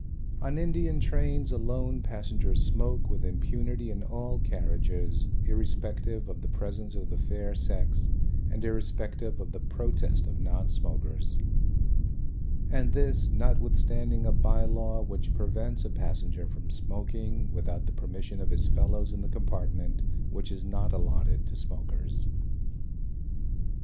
On Indian trains alone passengers smoke with impunity in all carriages irrespective of the presence of the fair sex and irrespective of the protest of non smokers. And this, notwithstanding a bye law which prevents a passenger from smoking without the permission of his fellows in the compartment which is not allotted to smokers.